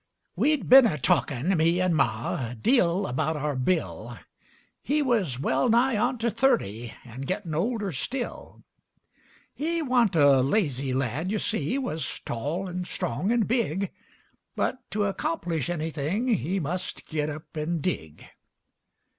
We'd been a talkin' me and Ma A deal about our Bill. He wuz well nigh onto thirty, And gettin' older still. He wa'n't a lazy lad, you see, Wuz tall and strong and big, But to accomplish anything He must git up and dig.